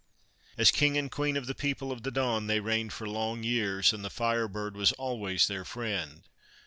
As King and Queen of the People of the Dawn, they reigned for long years, and the Fire Bird was always their friend.